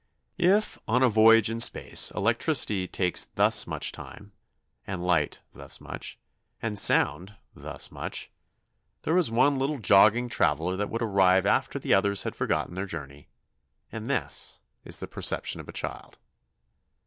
If, on a voyage in space, electricity takes thus much time, and light thus much, and sound thus much, there is one little jogging traveller that would arrive after the others had forgotten their journey, and this is the perception of a child.